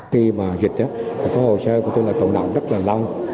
khi mà dịch hồ sơ của tôi là tụ nặng rất là lâu